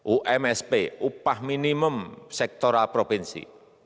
umsp upah minimum sektoral provinsi